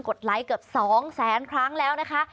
กดไลค์เกือบ๒๐๐๐๐๐ครั้งแล้วนะคะ